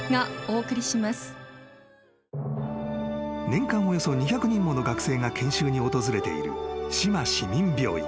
［年間およそ２００人もの学生が研修に訪れている志摩市民病院］